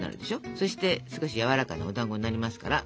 そして少しやわらかなおだんごになりますから。